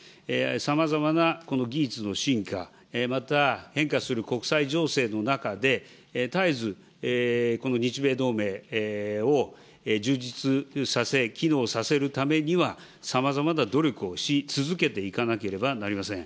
さまざまなこの技術の進化、また変化する国際情勢の中で、絶えずこの日米同盟を充実させ、機能させるためには、さまざまな努力をし続けていかなければなりません。